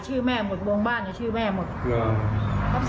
ช่วยที่บ้านป่ะครับ